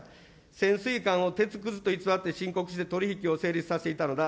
潜水艦を鉄くずと偽って申告して取り引きを成立させていたのだ。